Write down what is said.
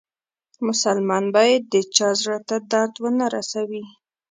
مسلمان باید د چا زړه ته درد و نه روسوي.